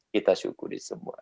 kita syukuri semua